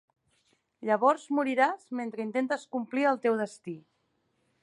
Llavors moriràs mentre intentes complir el teu destí.